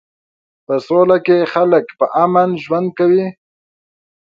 په سوله کې خلک په امن ژوند کوي.